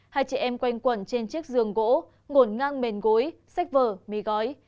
hai chị em quen quẩn trên chiếc giường gỗ ngổn ngang mền gối sách vở mì gói